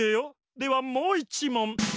ではもういちもん。